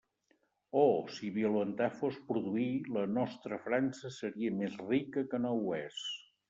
Oh!, si violentar fos produir, la nostra França seria més rica que no ho és.